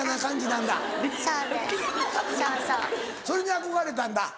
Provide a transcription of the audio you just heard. それに憧れたんだ？